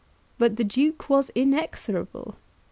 But the Duke was inexorable.